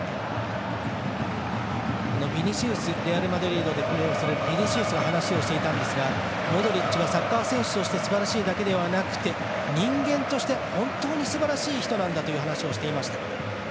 ビニシウス、レアルマドリードでプレーをする選手が話をしていたんですがモドリッチはサッカー選手としてすばらしいだけじゃなくて人間として、本当にすばらしい人なんだという話をしていました。